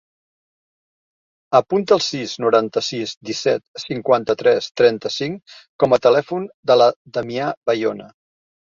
Apunta el sis, noranta-sis, disset, cinquanta-tres, trenta-cinc com a telèfon de la Damià Bayona.